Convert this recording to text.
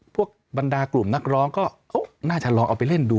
บรรดากลุ่มนักร้องก็น่าจะลองเอาไปเล่นดู